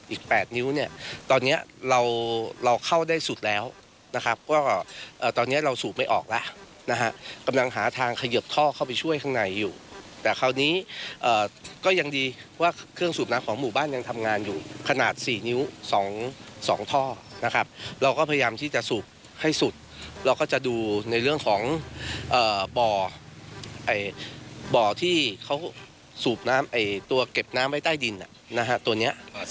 ๘นิ้วเนี่ยตอนเนี้ยเราเราเข้าได้สุดแล้วนะครับก็ตอนนี้เราสูบไม่ออกแล้วนะฮะกำลังหาทางเขยิบท่อเข้าไปช่วยข้างในอยู่แต่คราวนี้ก็ยังดีว่าเครื่องสูบน้ำของหมู่บ้านยังทำงานอยู่ขนาดสี่นิ้วสองท่อนะครับเราก็พยายามที่จะสูบให้สุดเราก็จะดูในเรื่องของบ่อบ่อที่เขาสูบน้ำตัวเก็บน้ำไว้ใต้ดิน